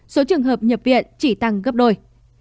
số trường hợp nhập viện chỉ tăng gấp đôi